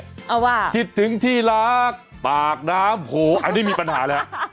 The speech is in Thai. เพราะว่าคิดถึงที่รักปากน้ำโผล่อันนี้มีปัญหาแล้ว